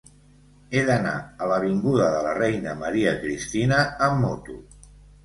He d'anar a l'avinguda de la Reina Maria Cristina amb moto.